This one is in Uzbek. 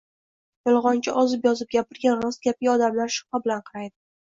Yolg‘onchi ozib-yozib gapirgan rost gapiga odamlar shubha bilan qaraydi.